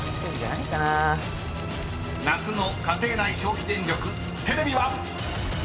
［夏の家庭内消費電力テレビは⁉］